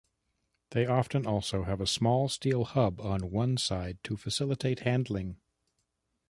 They often also have a small, steel hub on one side to facilitate handling.